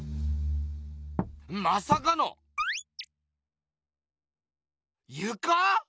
まさかのゆか⁉